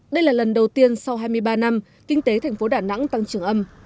đây là lần đầu tiên sau hai mươi ba năm kinh tế thành phố đà nẵng tăng trưởng âm